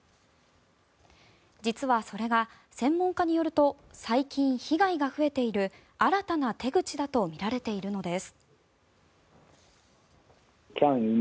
実はそれが専門家によると最近、被害が増えている新たな手口だとみられているのです。